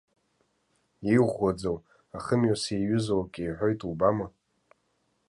Иӷәӷәаӡоу, ахымҩас иаҩызоу акы иҳәоит убама.